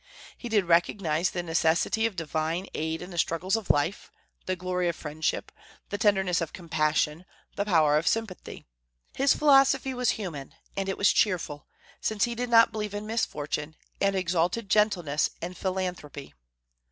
He did recognize the necessity of divine aid in the struggles of life, the glory of friendship, the tenderness of compassion, the power of sympathy. His philosophy was human, and it was cheerful; since he did not believe in misfortune, and exalted gentleness and philanthropy.